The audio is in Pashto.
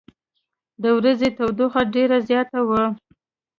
د ورځې تودوخه ډېره زیاته وه.